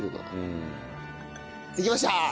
できました！